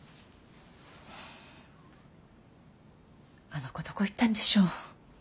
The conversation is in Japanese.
あの子どこ行ったんでしょう？